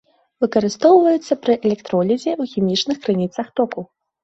Выкарыстоўваюцца пры электролізе і ў хімічных крыніцах току.